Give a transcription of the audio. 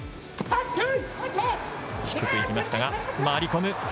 低くいきましたが、回り込む。